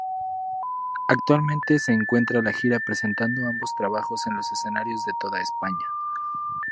Actualmente se encuentra de gira presentando ambos trabajos en los escenarios de toda España.